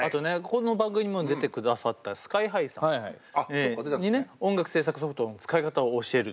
ここの番組にも出てくださったＳＫＹーＨＩさんにね音楽制作ソフトの使い方を教えると。